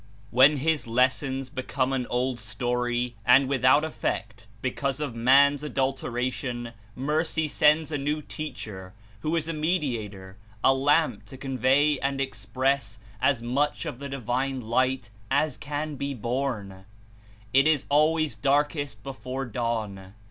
When his lessons become an old story and without effect because of man's adulteration, Mercy sends a new teacher who is a Mediator, a Lamp to convey and express as much of the divine Light as can be borne. It Is always "darkest before dawn."